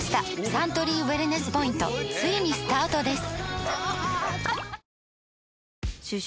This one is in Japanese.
サントリーウエルネスポイントついにスタートです！